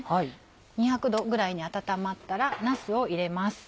２００℃ぐらいに温まったらなすを入れます。